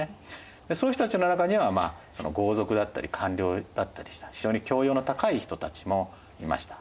そういう人たちの中には豪族だったり官僚だったりした非常に教養の高い人たちもいました。